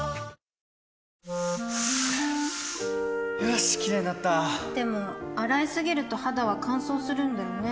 よしキレイになったでも、洗いすぎると肌は乾燥するんだよね